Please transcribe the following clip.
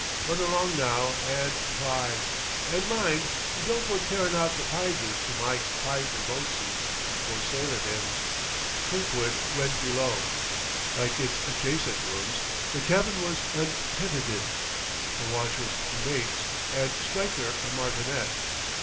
Run along now and pl'y and mind you don't go tearin' out the pyges to myke pyper boatses to go sylin' in." Kirkwood went below. Like its adjacent rooms, the cabin was untenanted; the watch was the mate's, and Stryker a martinet.